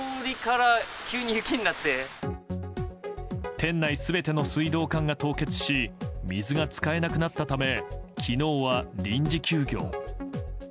店内全ての水道管が凍結し水が使えなくなったため昨日は臨時休業。